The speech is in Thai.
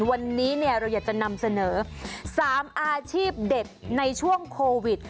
วันนี้เราอยากจะนำเสนอ๓อาชีพเด็ดในช่วงโควิด